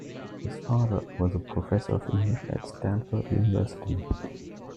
His father was a professor of English at Stanford University.